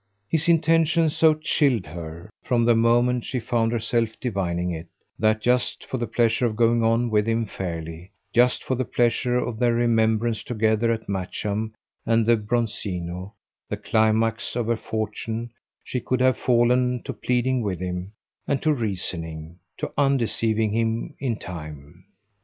His intention so chilled her, from the moment she found herself divining it, that, just for the pleasure of going on with him fairly, just for the pleasure of their remembrance together of Matcham and the Bronzino, the climax of her fortune, she could have fallen to pleading with him and to reasoning, to undeceiving him in time.